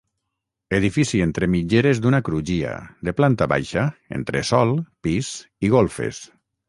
Edifici entre mitgeres d'una crugia, de planta baixa, entresòl, pis i golfes.